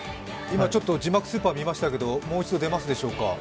今、字幕スーパー見ましたけど、もう一度出ますでしょうか。